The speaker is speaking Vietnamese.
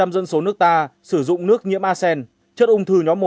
hai mươi một dân số nước ta sử dụng nước nhiễm a sen chất ung thư nhóm một